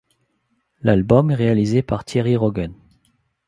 L'album est réalisé par Thierry Rogen.